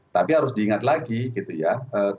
tapi harus diingat lagi gitu ya